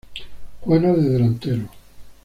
Juega de delantero..